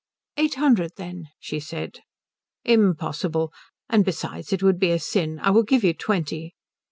"Eight hundred, then," she said. "Impossible. And besides it would be a sin. I will give you twenty."